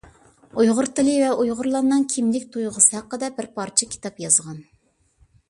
ئۇيغۇر تىلى ۋە ئۇيغۇرلارنىڭ كىملىك تۇيغۇسى ھەققىدە بىر پارچە كىتاب يازغان.